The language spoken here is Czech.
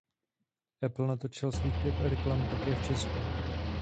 Apple natočil svých pět reklam také v Česku.